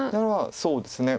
そうですね。